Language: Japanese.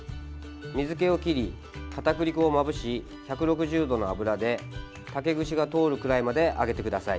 水けを切り、かたくり粉をまぶし１６０度の油で竹串が通るくらいまで揚げてください。